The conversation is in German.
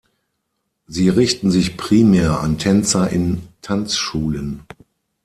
Sie richten sich primär an Tänzer in Tanzschulen.